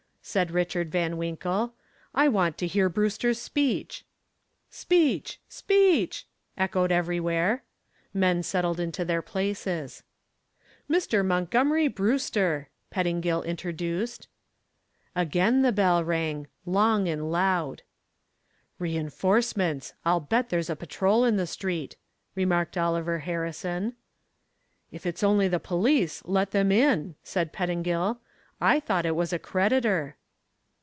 said Richard Van Winkle. "I want to hear Brewster's speech." "Speech! Speech!" echoed everywhere. Men settled into their places. "Mr. Montgomery Brewster," Pettingill introduced. Again the bell rang long and loud. "Reinforcements. I'll bet there's a patrol in the street," remarked Oliver Harrison. "If it's only the police, let them in," said Pettingill. "I thought it was a creditor."